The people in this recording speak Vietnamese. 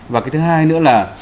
và cái thứ hai nữa là